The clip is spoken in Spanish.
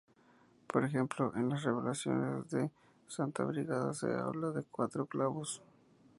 Por ejemplo, en las Revelaciones de Santa Brígida se habla de cuatro clavos.